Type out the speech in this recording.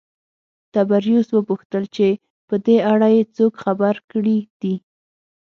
تبریوس وپوښتل چې په دې اړه یې څوک خبر کړي دي